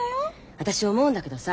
私思うんだけどさ